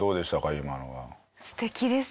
今のは。